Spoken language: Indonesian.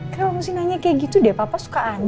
kalo mesti nanya kayak gitu deh papa suka aneh